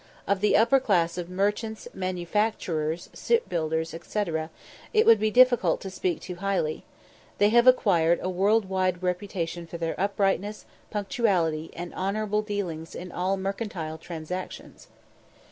Of the upper class of merchants, manufacturers, shipbuilders, &c., it would be difficult to speak too highly. They have acquired a world wide reputation for their uprightness, punctuality, and honourable dealings in all mercantile transactions.